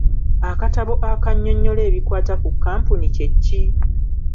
Akatabo akannyonnyola ebikwata ku kkampuni kye ki?